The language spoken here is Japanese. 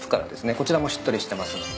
こちらもしっとりしてますので。